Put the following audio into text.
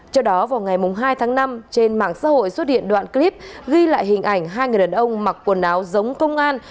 trước đó vào ngày hai tháng năm trên mạng xã hội xuất hiện đoạn clip ghi lại hình ảnh hai người đàn ông mặc quần áo giống công an